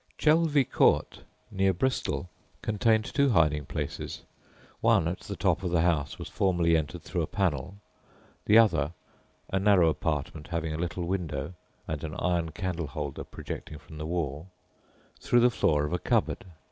Chelvey Court, near Bristol, contained two hiding places; one, at the top of the house, was formerly entered through a panel, the other (a narrow apartment having a little window, and an iron candle holder projecting from the wall) through the floor of a cupboard.